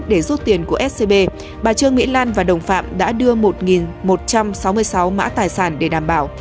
để rút tiền của scb bà trương mỹ lan và đồng phạm đã đưa một một trăm sáu mươi sáu mã tài sản để đảm bảo